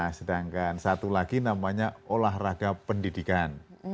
nah sedangkan satu lagi namanya olahraga pendidikan